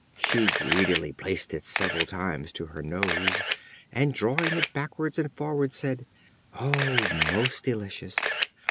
She greedily placed it several times to her nose, and drawing it backwards and forwards, said: "O most delicious!